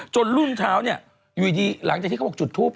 จนรุ่นเช้าอยู่ดีหลังจากที่เขาบอกจุดทูบ